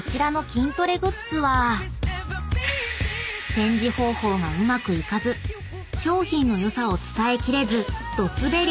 ［展示方法がうまくいかず商品の良さを伝え切れずドすべり］